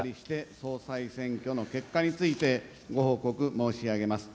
総裁選挙の結果についてご報告申し上げます。